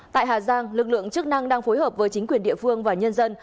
tại hà giang lực lượng chức năng đang phối hợp với chính quyền địa phương và nhân dân